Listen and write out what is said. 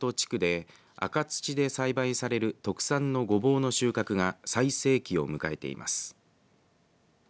赤磐市北部の是里地区で赤土で栽培される特産のごぼうの収穫が最盛期を迎えています。